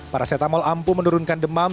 paracetamol ampuh menurunkan demam